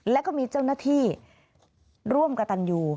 แล้วก็มีเจ้าหน้าที่ร่วมกับตันยู